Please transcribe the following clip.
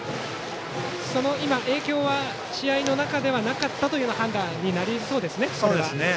その影響は試合の中ではなかったという判断になりそうです。